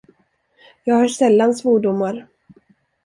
Jag hör sällan svordomar.